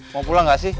mau pulang gak sih